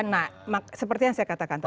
nah seperti yang saya katakan